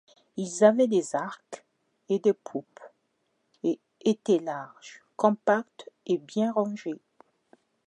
Ils avaient des arcs et des poupe, et étaient larges, compacts et bien rangés.